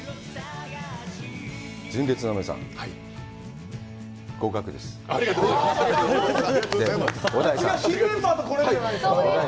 純烈の皆さん、合格です！